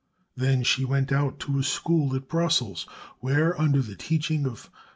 Then she went out to a school at Brussels, where under the teaching of M.